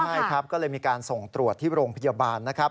ใช่ครับก็เลยมีการส่งตรวจที่โรงพยาบาลนะครับ